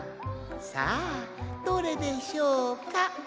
さあどれでしょうか？